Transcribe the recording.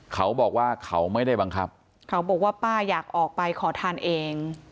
เขาบอกว่าเขาไม่ได้บังคับเขาบอกว่าป้าอยากออกไปขอทานเอง